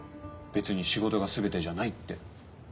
「別に仕事が全てじゃない」って。